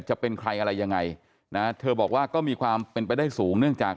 จะเป็นใครอะไรยังไงนะเธอบอกว่าก็มีความเป็นไปได้สูงเนื่องจาก